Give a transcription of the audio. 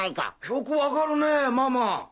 よく分かるねママ。